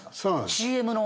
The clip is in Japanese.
ＣＭの。